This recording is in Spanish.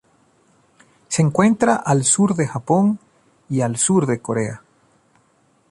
Se encuentra al sur de Japón y al sur de Corea.